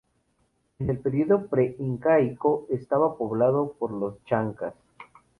En el periodo pre-incaico, estaba poblado por los Chancas.